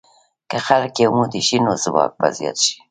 که خلک یو موټی شي، نو ځواک به زیات شي.